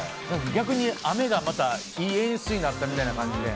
逆に雨がまた、いい演出になったみたいな感じで。